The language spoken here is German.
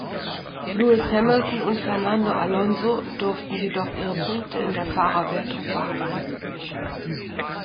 Lewis Hamilton und Fernando Alonso durften jedoch ihre Punkte in der Fahrerwertung behalten.